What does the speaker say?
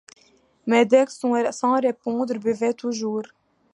Mais Dick, sans répondre, buvait toujours.